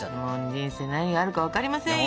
人生何があるか分かりませんよ。